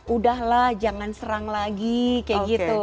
udah lah jangan serang lagi kayak gitu